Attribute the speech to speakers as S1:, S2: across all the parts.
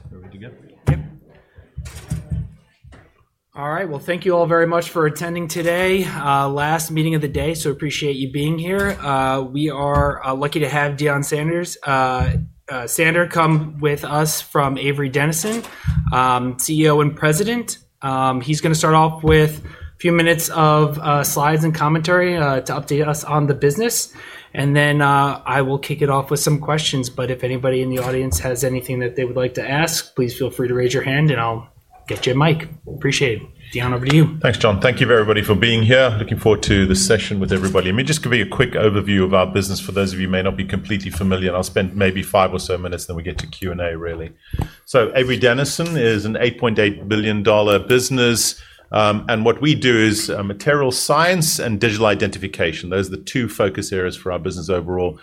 S1: ... All right, are we good to go? Yep. All right, well, thank you all very much for attending today. Last meeting of the day, so appreciate you being here. We are lucky to have Deon Stander come with us from Avery Dennison, CEO and President. He's gonna start off with a few minutes of slides and commentary to update us on the business, and then I will kick it off with some questions. But if anybody in the audience has anything that they would like to ask, please feel free to raise your hand, and I'll get you a mic. Appreciate it. Deon, over to you. Thanks, John. Thank you, everybody, for being here. Looking forward to this session with everybody. Let me just give you a quick overview of our business for those of you who may not be completely familiar. I'll spend maybe five or so minutes, then we get to Q&A really so Avery Dennison is an $8.8 billion business, and what we do is materials science and digital identification. Those are the two focus areas for our business overall.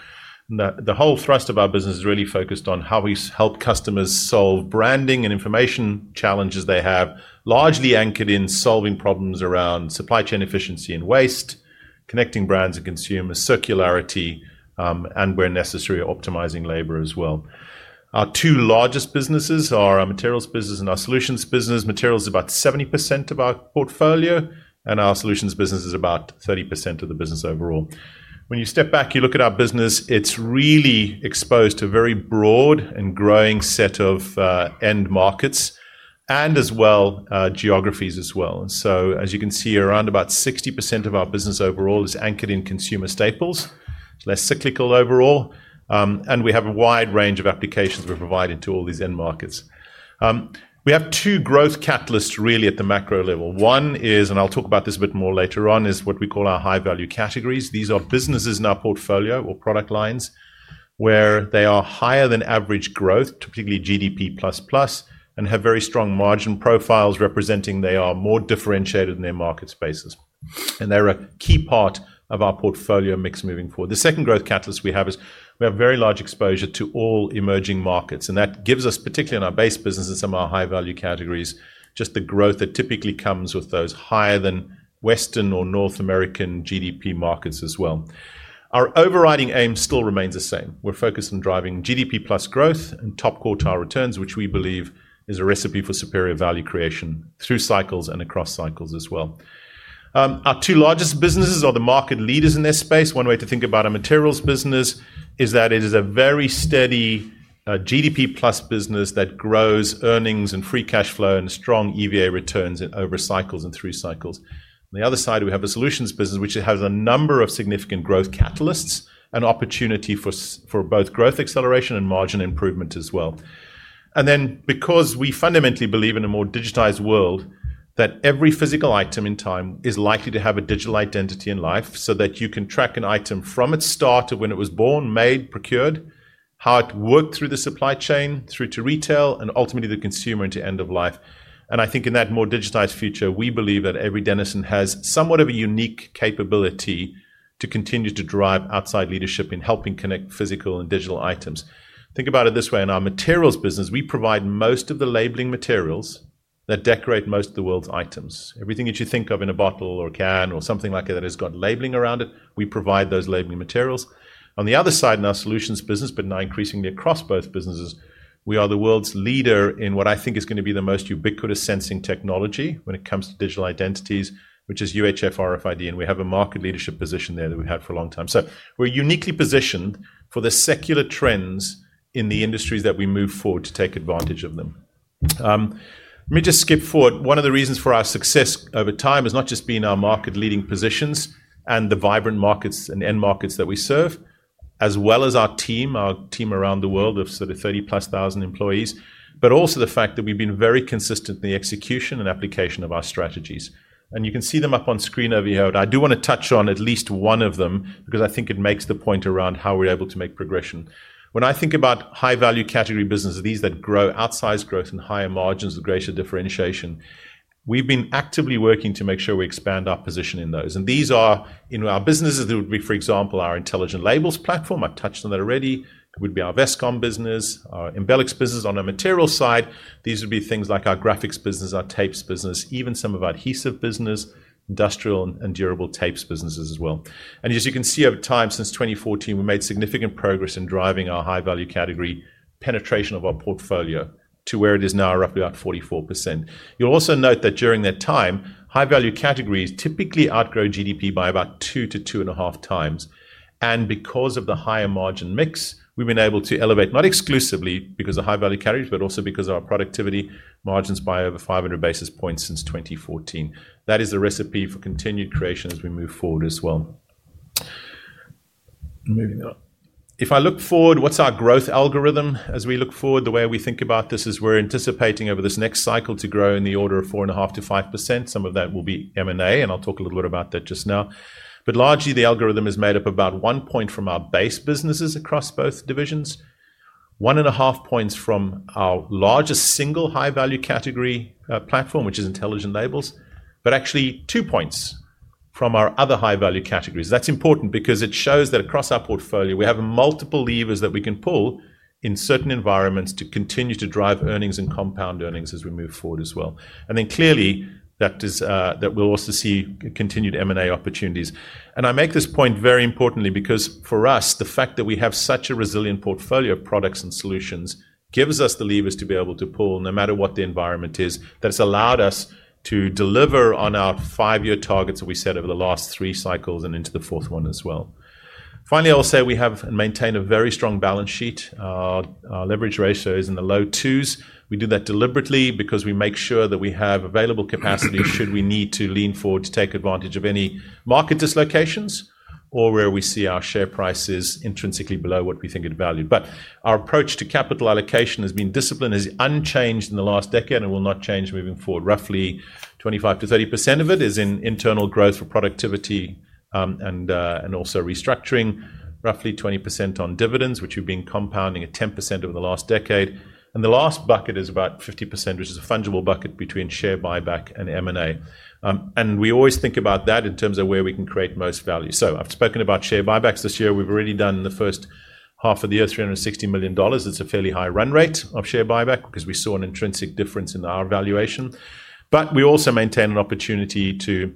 S1: The whole thrust of our business is really focused on how we help customers solve branding and information challenges they have, largely anchored in solving problems around supply chain efficiency and waste, connecting brands and consumers, circularity, and where necessary, optimizing labor as well. Our two largest businesses are our materials business and our solutions business. Materials is about 70% of our portfolio, and our solutions business is about 30% of the business overall. When you step back, you look at our business, it's really exposed to a very broad and growing set of end markets, and as well, geographies as well. So as you can see, around about 60% of our business overall is anchored in consumer staples. It's less cyclical overall, and we have a wide range of applications we're providing to all these end markets. We have two growth catalysts, really, at the macro level. One is, and I'll talk about this a bit more later on, is what we call our high value categories. These are businesses in our portfolio or product lines where they are higher than average growth, typically GDP plus, plus, and have very strong margin profiles representing they are more differentiated in their market spaces, and they're a key part of our portfolio mix moving forward. The second growth catalyst we have is we have very large exposure to all emerging markets, and that gives us, particularly in our base business and some of our high value categories, just the growth that typically comes with those higher than Western or North American GDP markets as well. Our overriding aim still remains the same. We're focused on driving GDP plus growth and top quartile returns, which we believe is a recipe for superior value creation through cycles and across cycles as well. Our two largest businesses are the market leaders in this space. One way to think about our materials business is that it is a very steady, GDP plus business that grows earnings and free cash flow and strong EVA returns over cycles and through cycles. On the other side, we have a solutions business, which has a number of significant growth catalysts and opportunity for both growth acceleration and margin improvement as well. And then, because we fundamentally believe in a more digitized world, that every physical item in time is likely to have a digital identity in life, so that you can track an item from its start of when it was born, made, procured, how it worked through the supply chain, through to retail, and ultimately, the consumer into end of life. I think in that more digitized future, we believe that Avery Dennison has somewhat of a unique capability to continue to drive outside leadership in helping connect physical and digital items. Think about it this way: in our materials business, we provide most of the labeling materials that decorate most of the world's items. Everything that you think of in a bottle or a can or something like that, that has got labeling around it, we provide those labeling materials. On the other side, in our solutions business, but now increasingly across both businesses, we are the world's leader in what I think is gonna be the most ubiquitous sensing technology when it comes to digital identities, which is UHF RFID, and we have a market leadership position there that we've had for a long time. So we're uniquely positioned for the secular trends in the industries that we move forward to take advantage of them. Let me just skip forward. One of the reasons for our success over time is not just being in our market leading positions and the vibrant markets and end markets that we serve, as well as our team, our team around the world of sort of thirty plus thousand employees, but also the fact that we've been very consistent in the execution and application of our strategies. And you can see them up on screen over here. I do wanna touch on at least one of them because I think it makes the point around how we're able to make progression. When I think about high value category business, these that grow, outsized growth and higher margins of greater differentiation, we've been actively working to make sure we expand our position in those. And these are in our businesses, that would be, for example, our Intelligent Labels platform. I touched on that already. It would be our Vestcom business, our Embelex business. On our material side, these would be things like our graphics business, our tapes business, even some of our adhesive business, industrial and durable tapes businesses as well. And as you can see, over time, since 2014, we made significant progress in driving our high value category penetration of our portfolio to where it is now, roughly about 44%. You'll also note that during that time, high value categories typically outgrow GDP by about two to two and a half times. And because of the higher margin mix, we've been able to elevate, not exclusively because of high value categories, but also because of our productivity margins by over 500 basis points since 2014. That is the recipe for continued creation as we move forward as well. Moving on. If I look forward, what's our growth algorithm? As we look forward, the way we think about this is we're anticipating over this next cycle to grow in the order of 4.5%-5%. Some of that will be M&A, and I'll talk a little bit about that just now. But largely, the algorithm is made up about one point from our base businesses across both divisions, one and a half points from our largest single high value category, platform, which is Intelligent Labels, but actually two points from our other high-value categories. That's important because it shows that across our portfolio, we have multiple levers that we can pull in certain environments to continue to drive earnings and compound earnings as we move forward as well. And then clearly, that is, that we'll also see continued M&A opportunities. And I make this point very importantly, because for us, the fact that we have such a resilient portfolio of products and solutions gives us the levers to be able to pull, no matter what the environment is. That's allowed us to deliver on our five-year targets that we set over the last three cycles and into the fourth one as well. Finally, I'll say we have and maintain a very strong balance sheet. Our leverage ratio is in the low twos. We do that deliberately because we make sure that we have available capacity, should we need to lean forward to take advantage of any market dislocations or where we see our share price is intrinsically below what we think it's valued, but our approach to capital allocation has been disciplined, is unchanged in the last decade and will not change moving forward. Roughly 25%-30% of it is in internal growth for productivity, and also restructuring. Roughly 20% on dividends, which have been compounding at 10% over the last decade, and the last bucket is about 50%, which is a fungible bucket between share buyback and M&A, and we always think about that in terms of where we can create most value, so I've spoken about share buybacks. This year, we've already done in the first half of the year, $360 million. It's a fairly high run rate of share buyback because we saw an intrinsic difference in our valuation. But we also maintain an opportunity to,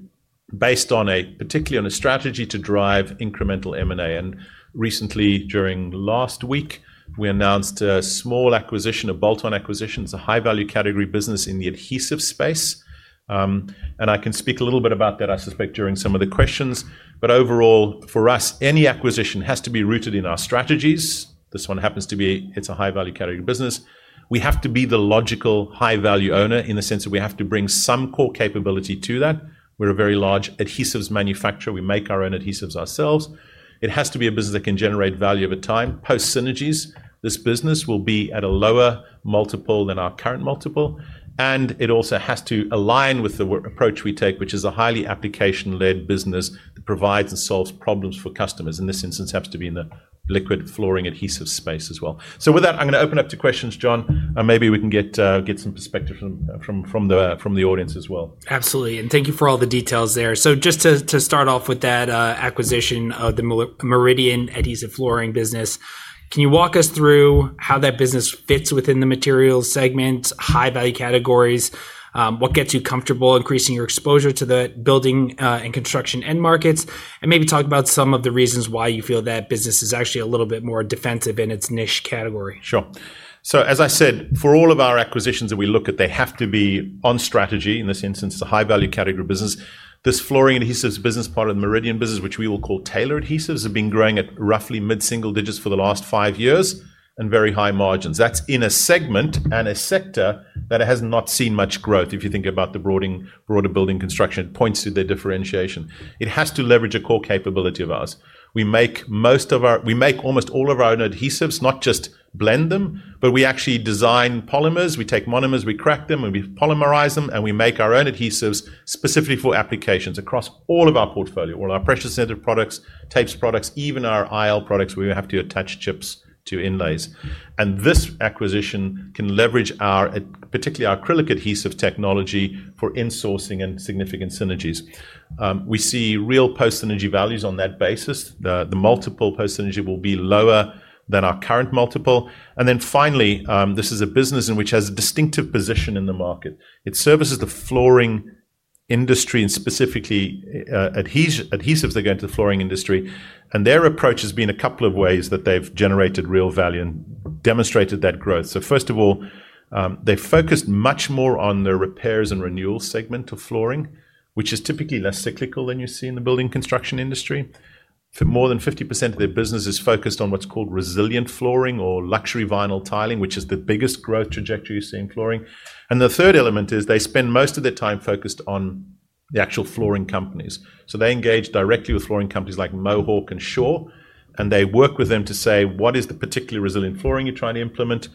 S1: based on a, particularly on a strategy to drive incremental M&A, and recently, during last week, we announced a small acquisition, a bolt-on acquisition. It's a high-value category business in the adhesive space, and I can speak a little bit about that, I suspect, during some of the questions, but overall, for us, any acquisition has to be rooted in our strategies. This one happens to be, it's a high-value category business. We have to be the logical, high-value owner in the sense that we have to bring some core capability to that. We're a very large adhesives manufacturer. We make our own adhesives ourselves. It has to be a business that can generate value over time. Post synergies, this business will be at a lower multiple than our current multiple, and it also has to align with the work approach we take, which is a highly application-led business that provides and solves problems for customers. In this instance, it happens to be in the liquid flooring adhesive space as well. So with that, I'm gonna open up to questions, John, and maybe we can get some perspective from the audience as well. Absolutely, and thank you for all the details there. So just to start off with that acquisition of the Meridian Adhesives flooring business, can you walk us through how that business fits within the materials segment, high-value categories? What gets you comfortable increasing your exposure to the building and construction end markets? And maybe talk about some of the reasons why you feel that business is actually a little bit more defensive in its niche category. Sure. As I said, for all of our acquisitions that we look at, they have to be on strategy. In this instance, a high-value category business. This flooring adhesives business, part of the Meridian business, which we will call Taylor Adhesives, have been growing at roughly mid-single digits for the last five years and very high margins. That's in a segment and a sector that has not seen much growth, if you think about the broader building construction, points to their differentiation. It has to leverage a core capability of ours. We make almost all of our own adhesives, not just blend them, but we actually design polymers. We take monomers, we crack them, and we polymerize them, and we make our own adhesives specifically for applications across all of our portfolio, all our pressure-sensitive products, tapes products, even our IL products, where we have to attach chips to inlays, and this acquisition can leverage our, particularly our acrylic adhesive technology for insourcing and significant synergies. We see real post-synergy values on that basis. The multiple post-synergy will be lower than our current multiple, and then finally, this is a business which has a distinctive position in the market. It services the flooring industry, and specifically, adhesives that go into the flooring industry, and their approach has been a couple of ways that they've generated real value and demonstrated that growth. So first of all, they focused much more on the repairs and renewal segment of flooring, which is typically less cyclical than you see in the building construction industry. For more than 50% of their business is focused on what's called resilient flooring or luxury vinyl tiling, which is the biggest growth trajectory you see in flooring. And the third element is they spend most of their time focused on the actual flooring companies. So they engage directly with flooring companies like Mohawk and Shaw, and they work with them to say: What is the particular resilient flooring you're trying to implement?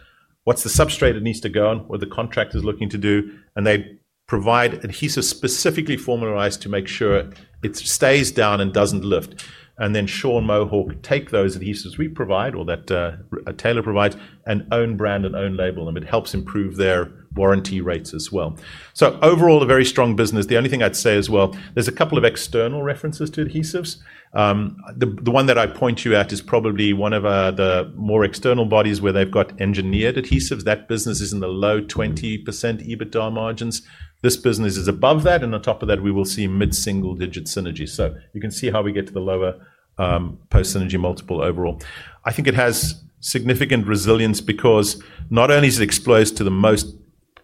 S1: What's the substrate it needs to go on, or the contractor is looking to do? And they provide adhesives specifically formulated to make sure it stays down and doesn't lift. And then Shaw and Mohawk take those adhesives we provide, or that Taylor provides, and own brand and own label, and it helps improve their warranty rates as well. So overall, a very strong business. The only thing I'd say as well, there's a couple of external references to adhesives. The one that I point you at is probably one of the more external bodies where they've got engineered adhesives. That business is in the low 20% EBITDA margins. This business is above that, and on top of that, we will see mid-single-digit synergies. So you can see how we get to the lower post-synergy multiple overall. I think it has significant resilience because not only does it expose to the most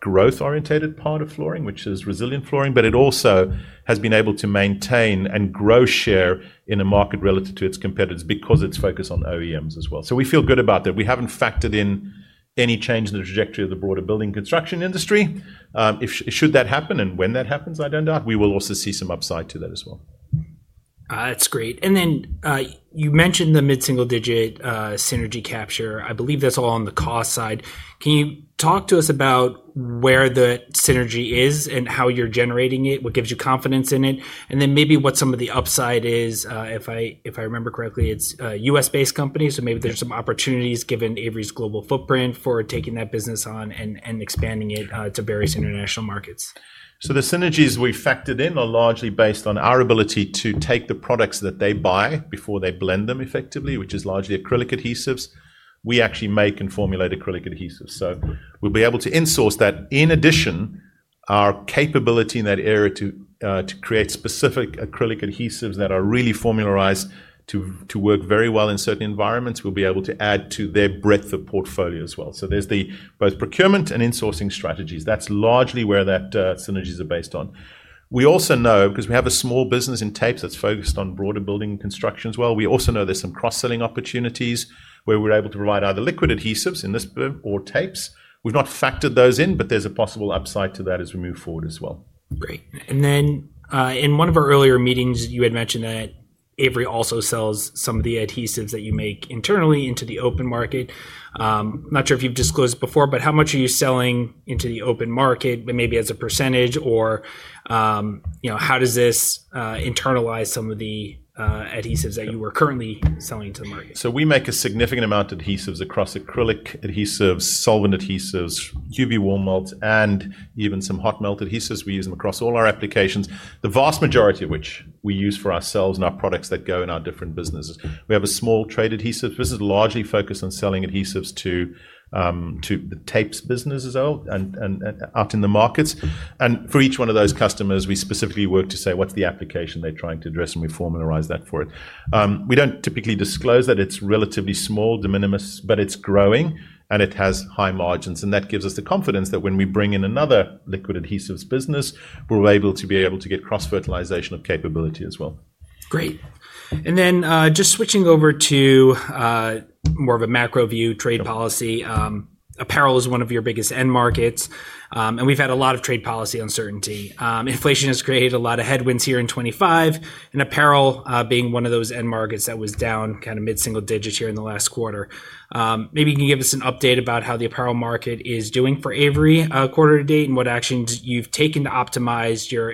S1: growth-oriented part of flooring, which is resilient flooring, but it also has been able to maintain and grow share in a market relative to its competitors because it's focused on OEMs as well. So we feel good about that. We haven't factored in any change in the trajectory of the broader building construction industry. Should that happen, and when that happens, I don't doubt, we will also see some upside to that as well. That's great. And then, you mentioned the mid-single-digit synergy capture. I believe that's all on the cost side. Can you talk to us about where the synergy is and how you're generating it, what gives you confidence in it, and then maybe what some of the upside is? If I remember correctly, it's a U.S.-based company, so maybe there's some opportunities, given Avery's global footprint, for taking that business on and expanding it to various international markets. So the synergies we factored in are largely based on our ability to take the products that they buy before they blend them effectively, which is largely acrylic adhesives. We actually make and formulate acrylic adhesives, so we'll be able to insource that in addition our capability in that area to create specific acrylic adhesives that are really formulated to work very well in certain environments, we'll be able to add to their breadth of portfolio as well. So there's both the procurement and insourcing strategies. That's largely where that synergies are based on. We also know, because we have a small business in tapes that's focused on broader building construction as well, we also know there's some cross-selling opportunities where we're able to provide either liquid adhesives in this, or tapes. We've not factored those in, but there's a possible upside to that as we move forward as well. Great. And then, in one of our earlier meetings, you had mentioned that Avery also sells some of the adhesives that you make internally into the open market. Not sure if you've disclosed before, but how much are you selling into the open market, but maybe as a percentage, or, you know, how does this, internalize some of the, adhesives that you are currently selling to the market? So we make a significant amount of adhesives across acrylic adhesives, solvent adhesives, UV, warm melts, and even some hot melt adhesives. We use them across all our applications, the vast majority of which we use for ourselves and our products that go in our different businesses. We have a small trade adhesive. This is largely focused on selling adhesives to the tapes business as well, and out in the markets. And for each one of those customers, we specifically work to say, what's the application they're trying to address, and we formulate that for it. We don't typically disclose that it's relatively small, de minimis, but it's growing and it has high margins. And that gives us the confidence that when we bring in another liquid adhesives business, we're able to get cross-fertilization of capability as well. Great. And then, just switching over to more of a macro view, trade policy. Apparel is one of your biggest end markets, and we've had a lot of trade policy uncertainty. Inflation has created a lot of headwinds here in 2025, and apparel, being one of those end markets that was down kind of mid-single digits here in the last quarter. Maybe you can give us an update about how the apparel market is doing for Avery, quarter to date, and what actions you've taken to optimize your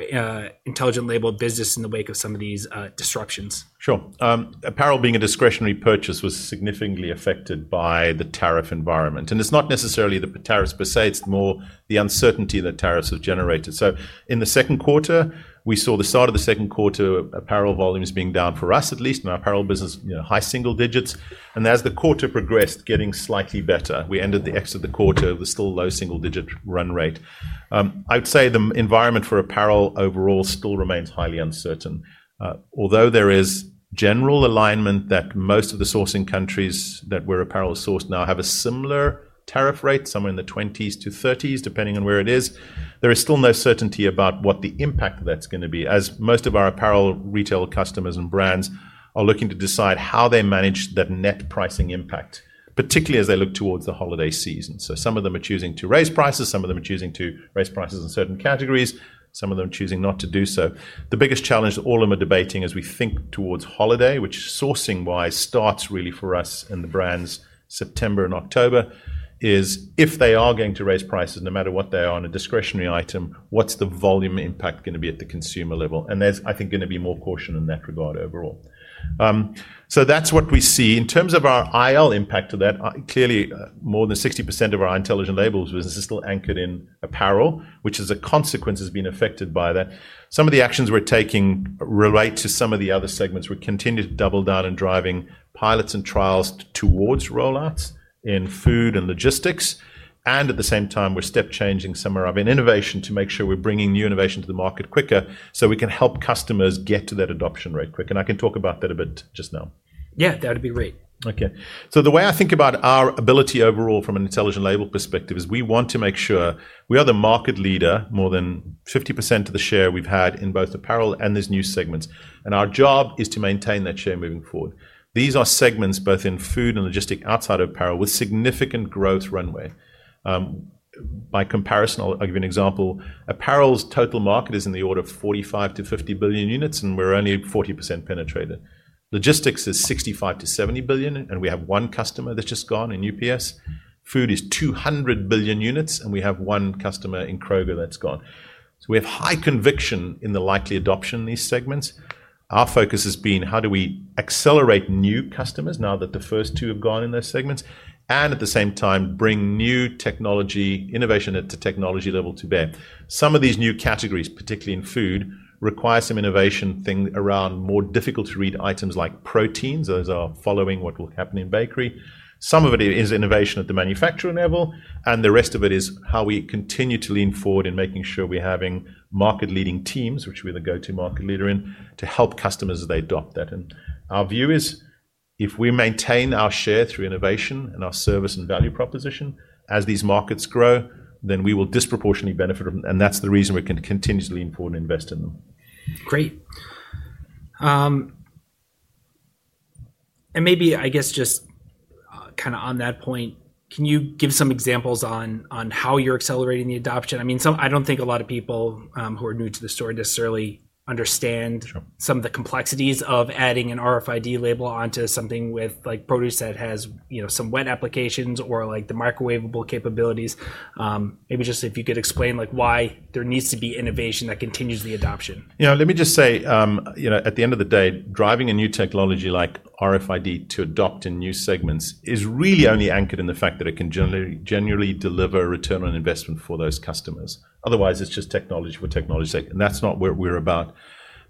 S1: Intelligent Label business in the wake of some of these disruptions. Sure. Apparel being a discretionary purchase, was significantly affected by the tariff environment, and it's not necessarily the tariffs per se, it's more the uncertainty that tariffs have generated, so in the second quarter, we saw the start of the second quarter apparel volumes being down, for us at least, in our apparel business, you know, high single digits, and as the quarter progressed, getting slightly better. We ended the exit of the quarter with still low single-digit run rate. I'd say the environment for apparel overall still remains highly uncertain. Although there is general alignment that most of the sourcing countries where apparel is sourced now have a similar tariff rate, somewhere in the 20%-30%, depending on where it is, there is still no certainty about what the impact of that's gonna be, as most of our apparel retail customers and brands are looking to decide how they manage that net pricing impact, particularly as they look towards the holiday season. Some of them are choosing to raise prices, some of them are choosing to raise prices in certain categories, some of them are choosing not to do so. The biggest challenge all of them are debating as we think towards holiday, which sourcing-wise starts really for us and the brands, September and October, is if they are going to raise prices, no matter what they are on a discretionary item, what's the volume impact gonna be at the consumer level? And there's, I think, gonna be more caution in that regard overall. So that's what we see. In terms of our IL impact to that, clearly, more than 60% of our Intelligent Labels business is still anchored in apparel, which as a consequence, has been affected by that. Some of the actions we're taking relate to some of the other segments. We continue to double down in driving pilots and trials towards rollouts in food and logistics, and at the same time, we're step changing some of our innovation to make sure we're bringing new innovation to the market quicker, so we can help customers get to that adoption rate quick. And I can talk about that a bit just now. Yeah, that'd be great. Okay. So the way I think about our ability overall from an Intelligent Label perspective is we want to make sure we are the market leader, more than 50% of the share we've had in both apparel and these new segments, and our job is to maintain that share moving forward. These are segments, both in food and logistics outside of apparel, with significant growth runway. By comparison, I'll give you an example. Apparel's total market is in the order of 45-50 billion units, and we're only at 40% penetrated. Logistics is 65-70 billion, and we have one customer that's just gone in UPS. Food is 200 billion units, and we have one customer in Kroger that's gone. So we have high conviction in the likely adoption in these segments. Our focus has been: how do we accelerate new customers now that the first two have gone in those segments, and at the same time, bring new technology, innovation at the technology level to bear? Some of these new categories, particularly in food, require some innovation thing around more difficult-to-read items like proteins. Those are following what will happen in bakery. Some of it is innovation at the manufacturer level, and the rest of it is how we continue to lean forward in making sure we're having market-leading teams, which we're the go-to-market leader in, to help customers as they adopt that, and our view is, if we maintain our share through innovation and our service and value proposition as these markets grow, then we will disproportionately benefit from it, and that's the reason we're continuously important to invest in them. Great. And maybe, I guess, just kinda on that point, can you give some examples on how you're accelerating the adoption? I mean, some... I don't think a lot of people who are new to the story necessarily understand- Sure... some of the complexities of adding an RFID label onto something with, like, produce that has, you know, some wet applications or, like, the microwavable capabilities. Maybe just if you could explain, like, why there needs to be innovation that continues the adoption. You know, let me just say, you know, at the end of the day, driving a new technology like RFID to adopt in new segments is really only anchored in the fact that it can generally, genuinely deliver return on investment for those customers. Otherwise, it's just technology for technology's sake, and that's not what we're about.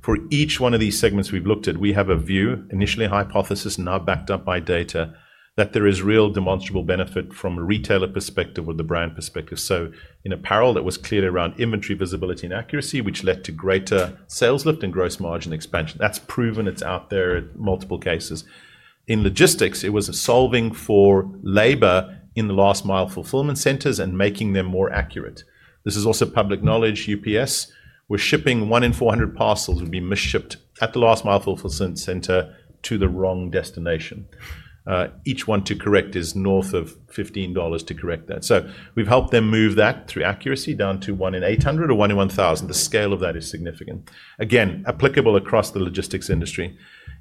S1: For each one of these segments we've looked at, we have a view, initially a hypothesis, now backed up by data that there is real demonstrable benefit from a retailer perspective or the brand perspective, so in apparel, that was clearly around inventory visibility and accuracy, which led to greater sales lift and gross margin expansion. That's proven, it's out there in multiple cases. In logistics, it was solving for labor in the last mile fulfillment centers and making them more accurate. This is also public knowledge. UPS, where shipping one in 400 parcels would be mis-shipped at the last mile fulfillment center to the wrong destination. Each one to correct is north of $15 to correct that. So we've helped them move that, through accuracy, down to one in 800 or one in 1,000. The scale of that is significant. Again, applicable across the logistics industry.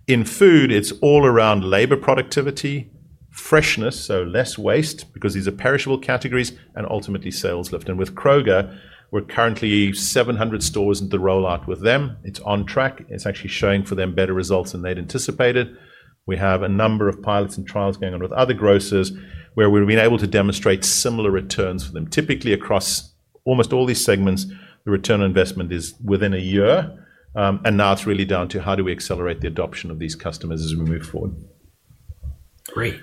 S1: In food, it's all around labor productivity, freshness, so less waste, because these are perishable categories, and ultimately sales lift. And with Kroger, we're currently 700 stores into the rollout with them. It's on track. It's actually showing for them better results than they'd anticipated. We have a number of pilots and trials going on with other grocers, where we've been able to demonstrate similar returns for them. Typically, across almost all these segments, the return on investment is within a year, and now it's really down to: how do we accelerate the adoption of these customers as we move forward? Great.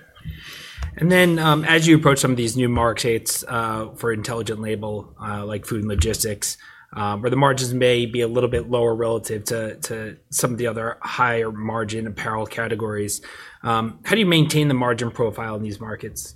S1: And then, as you approach some of these new markets, for Intelligent Labels, like food and logistics, where the margins may be a little bit lower relative to some of the other higher margin apparel categories, how do you maintain the margin profile in these markets?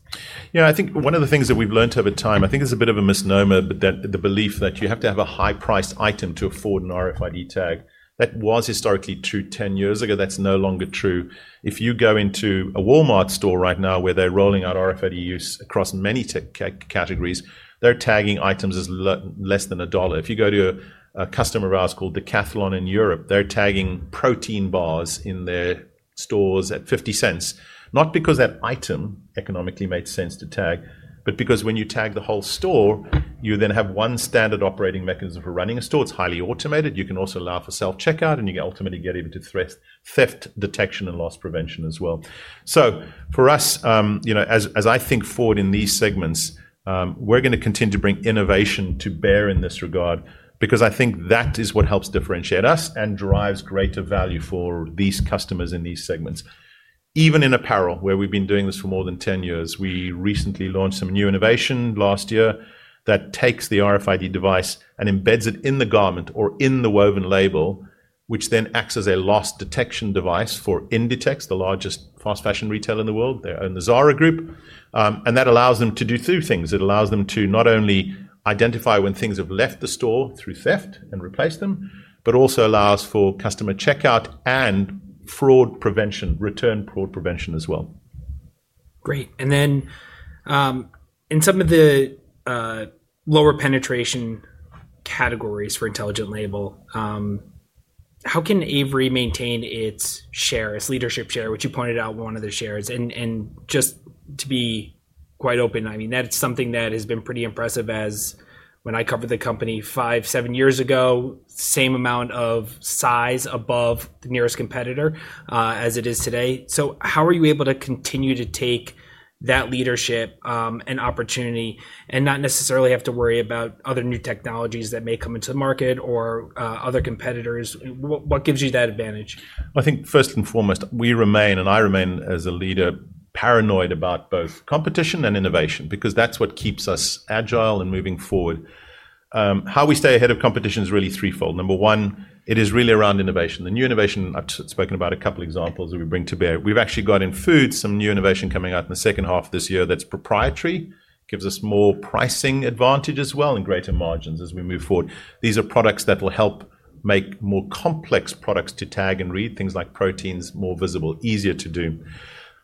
S1: Yeah, I think one of the things that we've learned over time. I think it's a bit of a misnomer, but the, the belief that you have to have a high-priced item to afford an RFID tag. That was historically true ten years ago. That's no longer true. If you go into a Walmart store right now, where they're rolling out RFID use across many categories, they're tagging items as less than $1. If you go to a customer of ours called Decathlon in Europe, they're tagging protein bars in their stores at $0.50. Not because that item economically made sense to tag, but because when you tag the whole store, you then have one standard operating mechanism for running a store. It's highly automated. You can also allow for self-checkout, and you can ultimately get even to theft detection and loss prevention as well. So for us, you know, as I think forward in these segments, we're gonna continue to bring innovation to bear in this regard, because I think that is what helps differentiate us and drives greater value for these customers in these segments. Even in apparel, where we've been doing this for more than 10 years, we recently launched some new innovation last year that takes the RFID device and embeds it in the garment or in the woven label, which then acts as a loss detection device for Inditex, the largest fast fashion retailer in the world. They own the Zara group. And that allows them to do two things. It allows them to not only identify when things have left the store through theft and replace them, but also allows for customer checkout and fraud prevention, return fraud prevention as well. Great, and then, in some of the lower penetration categories for Intelligent Label, how can Avery maintain its share, its leadership share, which you pointed out one of the shares? And just to be quite open, I mean, that's something that has been pretty impressive as when I covered the company five, seven years ago, same amount of size above the nearest competitor, as it is today. How are you able to continue to take that leadership, and opportunity, and not necessarily have to worry about other new technologies that may come into the market or other competitors? What gives you that advantage? I think first and foremost, we remain, and I remain as a leader, paranoid about both competition and innovation, because that's what keeps us agile and moving forward. How we stay ahead of competition is really threefold. Number one, it is really around innovation. The new innovation, I've spoken about a couple examples that we bring to bear. We've actually got in food some new innovation coming out in the second half of this year that's proprietary, gives us more pricing advantage as well, and greater margins as we move forward. These are products that will help make more complex products to tag and read, things like proteins, more visible, easier to do.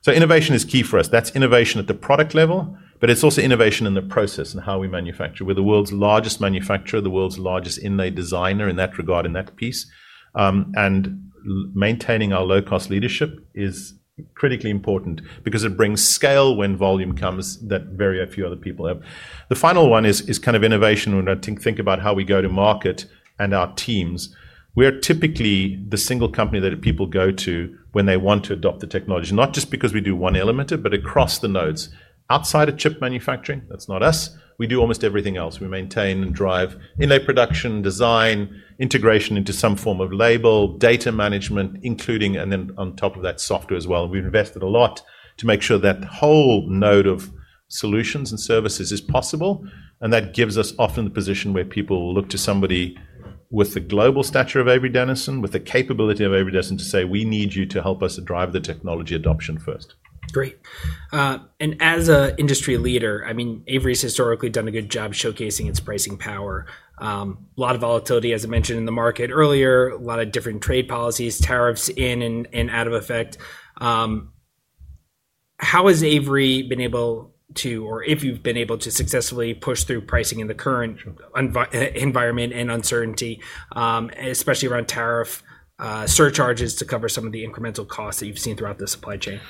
S1: So innovation is key for us. That's innovation at the product level, but it's also innovation in the process and how we manufacture. We're the world's largest manufacturer, the world's largest inlay designer in that regard, in that piece, and maintaining our low-cost leadership is critically important because it brings scale when volume comes that very few other people have. The final one is kind of innovation when I think about how we go to market and our teams. We're typically the single company that people go to when they want to adopt the technology, not just because we do one element of it, but across the nodes. Outside of chip manufacturing, that's not us, we do almost everything else. We maintain and drive inlay production, design, integration into some form of label, data management, including, and then on top of that, software as well. We've invested a lot to make sure that whole node of solutions and services is possible, and that gives us often the position where people look to somebody with the global stature of Avery Dennison, with the capability of Avery Dennison, to say, "We need you to help us drive the technology adoption first. Great, and as an industry leader, I mean, Avery's historically done a good job showcasing its pricing power. A lot of volatility, as I mentioned, in the market earlier, a lot of different trade policies, tariffs in and out of effect. How has Avery been able to, or if you've been able to, successfully push through pricing in the current environment and uncertainty, especially around tariff surcharges to cover some of the incremental costs that you've seen throughout the supply chain?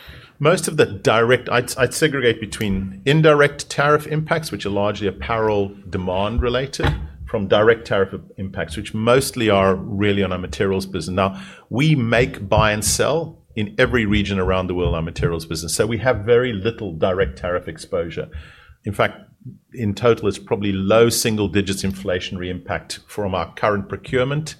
S1: I'd segregate between indirect tariff impacts, which are largely apparel demand related, from direct tariff impacts, which mostly are really on our materials business. Now, we make, buy, and sell in every region around the world, our materials business, so we have very little direct tariff exposure. In fact, in total, it's probably low single digits inflationary impact from our current procurement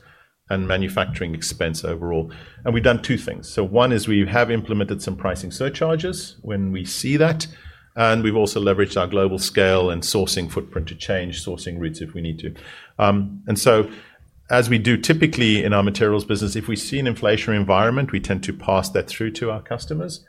S1: and manufacturing expense overall, and we've done two things, so one is we have implemented some pricing surcharges when we see that, and we've also leveraged our global scale and sourcing footprint to change sourcing routes if we need to, and as we do typically in our materials business, if we see an inflationary environment, we tend to pass that through to our customers,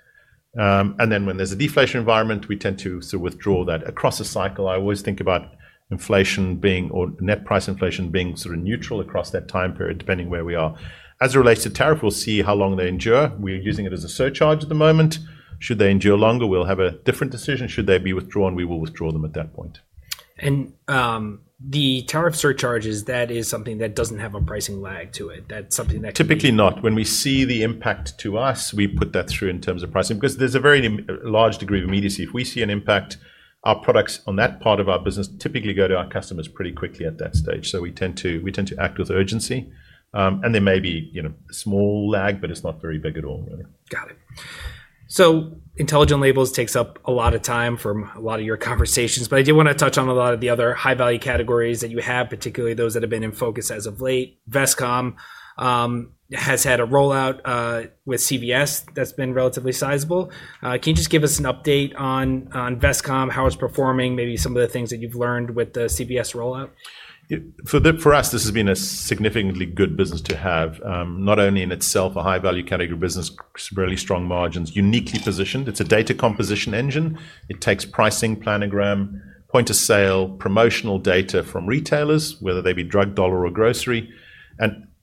S1: and then when there's a deflation environment, we tend to sort of withdraw that. Across a cycle, I always think about inflation being, or net price inflation being sort of neutral across that time period, depending where we are. As it relates to tariff, we'll see how long they endure. We're using it as a surcharge at the moment. Should they endure longer, we'll have a different decision. Should they be withdrawn, we will withdraw them at that point. The tariff surcharges, that is something that doesn't have a pricing lag to it. That's something that can be- Typically not. When we see the impact to us, we put that through in terms of pricing, because there's a very large degree of immediacy. If we see an impact, our products on that part of our business typically go to our customers pretty quickly at that stage. So we tend to act with urgency, and there may be, you know, a small lag, but it's not very big at all, really. Got it. So Intelligent Labels takes up a lot of time from a lot of your conversations, but I did want to touch on a lot of the other high-value categories that you have, particularly those that have been in focus as of late. Vestcom has had a rollout with CVS that's been relatively sizable. Can you just give us an update on Vestcom, how it's performing, maybe some of the things that you've learned with the CVS rollout? Yeah, for us, this has been a significantly good business to have. Not only in itself, a high-value category business, really strong margins, uniquely positioned. It's a data composition engine. It takes pricing, planogram, point of sale, promotional data from retailers, whether they be drug, dollar, or grocery,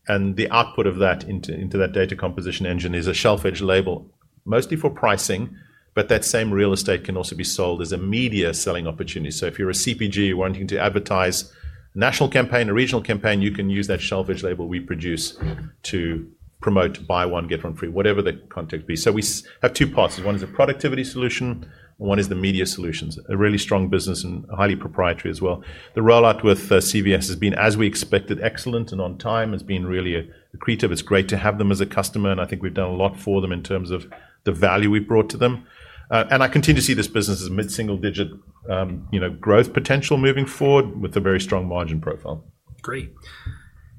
S1: and the output of that into that data composition engine is a shelf-edge label, mostly for pricing, but that same real estate can also be sold as a media selling opportunity. So if you're a CPG wanting to advertise a national campaign, a regional campaign, you can use that shelf-edge label we produce to promote, buy one, get one free, whatever the content be. So we have two parts. One is a productivity solution, and one is the media solutions. A really strong business and highly proprietary as well. The rollout with CVS has been, as we expected, excellent and on time, has been really accretive. It's great to have them as a customer, and I think we've done a lot for them in terms of the value we've brought to them. And I continue to see this business as a mid-single digit, you know, growth potential moving forward with a very strong margin profile. Great.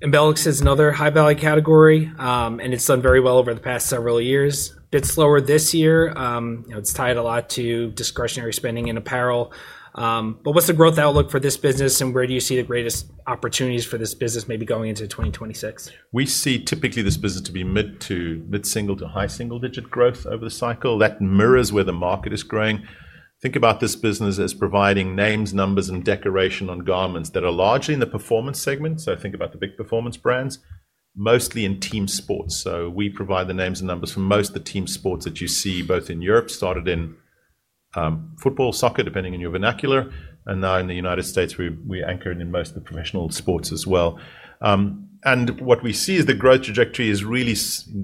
S1: Embelex is another high-value category, and it's done very well over the past several years. Bit slower this year. You know, it's tied a lot to discretionary spending in apparel. But what's the growth outlook for this business, and where do you see the greatest opportunities for this business maybe going into 2026? We see typically this business to be mid- to mid-single- to high single-digit growth over the cycle. That mirrors where the market is growing. Think about this business as providing names, numbers, and decoration on garments that are largely in the performance segment. So think about the big performance brands, mostly in team sports. So we provide the names and numbers for most of the team sports that you see, both in Europe, started in, football, soccer, depending on your vernacular, and now in the U.S., we anchor it in most of the professional sports as well. And what we see is the growth trajectory is really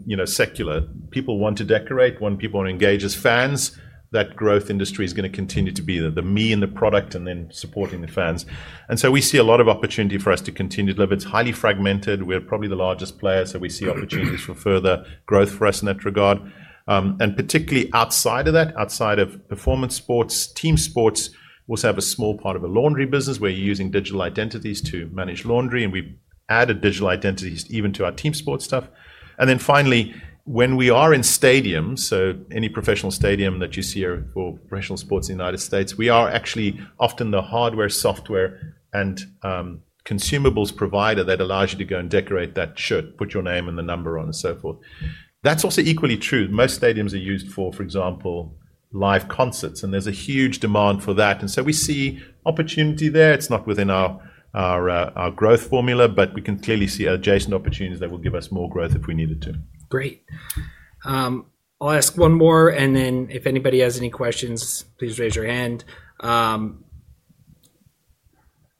S1: you know, secular. People want to decorate, when people want to engage as fans, that growth industry is gonna continue to be there, the merch and the product, and then supporting the fans. And so we see a lot of opportunity for us to continue to deliver. It's highly fragmented. We're probably the largest player, so we see opportunities for further growth for us in that regard. And particularly outside of that, outside of performance sports, team sports, we also have a small part of a laundry business. We're using digital identities to manage laundry, and we've added digital identities even to our team sport stuff. And then finally, when we are in stadiums, so any professional stadium that you see here for professional sports in the U.S., we are actually often the hardware, software, and consumables provider that allows you to go and decorate that shirt, put your name and the number on, and so forth. That's also equally true. Most stadiums are used for, for example, live concerts, and there's a huge demand for that, and so we see opportunity there. It's not within our growth formula, but we can clearly see adjacent opportunities that will give us more growth if we needed to. Great. I'll ask one more, and then if anybody has any questions, please raise your hand.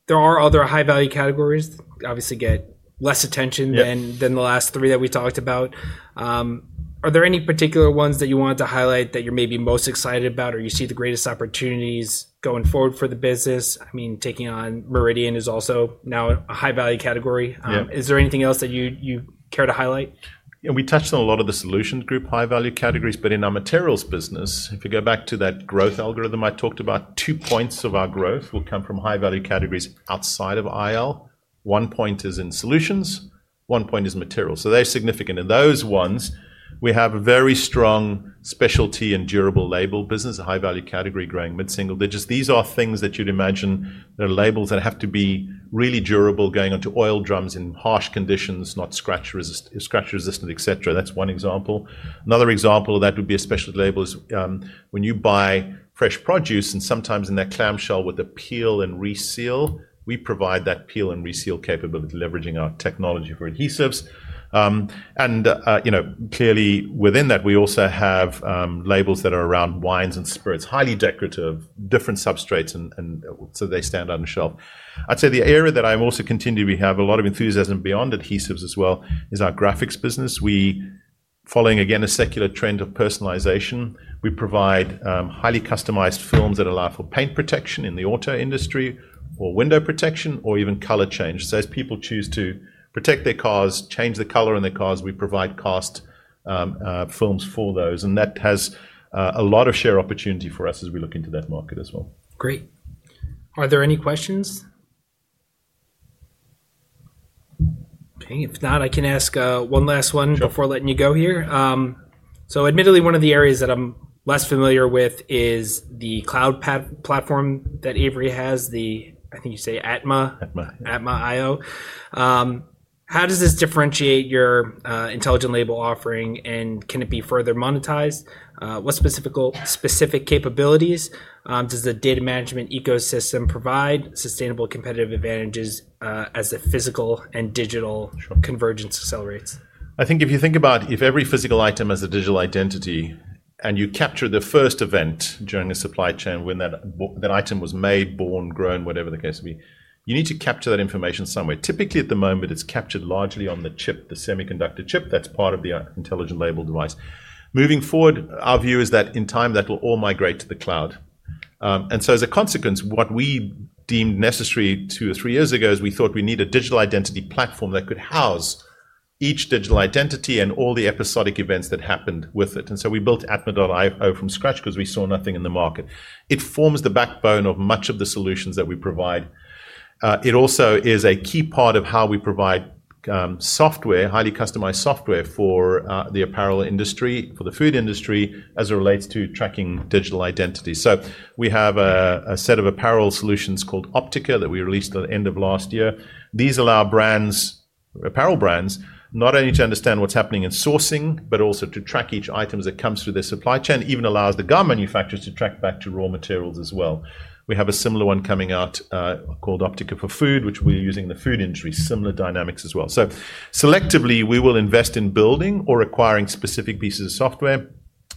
S1: There are other high-value categories, obviously get less attention. Yeah... than the last three that we talked about. Are there any particular ones that you wanted to highlight that you're maybe most excited about, or you see the greatest opportunities going forward for the business? I mean, taking on Meridian is also now a high-value category. Yeah. Is there anything else that you care to highlight? Yeah, we touched on a lot of the solutions group, high-value categories, but in our materials business, if you go back to that growth algorithm I talked about, two points of our growth will come from high-value categories outside of IL. One point is in solutions, one point is materials. So they're significant. In those ones, we have a very strong specialty and durable label business, a high-value category growing mid-single digits. These are things that you'd imagine. They're labels that have to be really durable, going onto oil drums in harsh conditions, scratch-resistant, et cetera. That's one example. Another example of that would be a specialty label is when you buy fresh produce, and sometimes in that clamshell with a peel and reseal, we provide that peel and reseal capability, leveraging our technology for adhesives. You know, clearly within that, we also have labels that are around wines and spirits, highly decorative, different substrates, and so they stand out on the shelf. I'd say the area that I'm also continuing to have a lot of enthusiasm beyond adhesives as well is our graphics business. We, following again, a secular trend of personalization, we provide highly customized films that allow for paint protection in the auto industry, or window protection, or even color change. So as people choose to protect their cars, change the color in their cars, we provide cast films for those, and that has a lot of share opportunity for us as we look into that market as well. Great. Are there any questions? Okay, if not, I can ask one last one- Sure... before letting you go here. So admittedly, one of the areas that I'm less familiar with is the cloud platform that Avery has, the, I think you say Atma? Atma. atma.io. How does this differentiate your Intelligent Label offering, and can it be further monetized? What specific capabilities does the data management ecosystem provide sustainable competitive advantages as the physical and digital- Sure... convergence accelerates? I think if you think about if every physical item has a digital identity, and you capture the first event during a supply chain when that item was made, born, grown, whatever the case may be, you need to capture that information somewhere. Typically, at the moment, it's captured largely on the chip, the semiconductor chip, that's part of the Intelligent Label device. Moving forward, our view is that in time, that will all migrate to the cloud. And so as a consequence, what we deemed necessary two or three years ago is we thought we need a digital identity platform that could house each digital identity and all the episodic events that happened with it. And so we built atma.io from scratch because we saw nothing in the market. It forms the backbone of much of the solutions that we provide. It also is a key part of how we provide software, highly customized software for the apparel industry, for the food industry, as it relates to tracking digital identity. So we have a set of apparel solutions called Optica that we released at the end of last year. These allow brands, apparel brands, not only to understand what's happening in sourcing, but also to track each item as it comes through their supply chain, even allows the garment manufacturers to track back to raw materials as well. We have a similar one coming out called Optica for food, which we're using in the food industry, similar dynamics as well. So selectively, we will invest in building or acquiring specific pieces of software.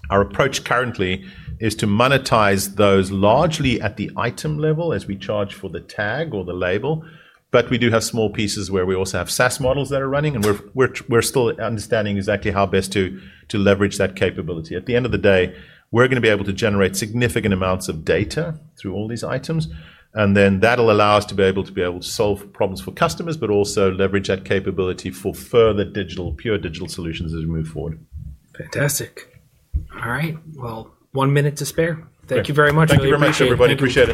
S1: Our approach currently is to monetize those largely at the item level as we charge for the tag or the label, but we do have small pieces where we also have SaaS models that are running, and we're still understanding exactly how best to leverage that capability. At the end of the day, we're gonna be able to generate significant amounts of data through all these items, and then that'll allow us to be able to solve problems for customers, but also leverage that capability for further digital, pure digital solutions as we move forward. Fantastic. All right, well, one minute to spare. Great. Thank you very much. Thank you very much, everybody. I really appreciate it. Appreciate it.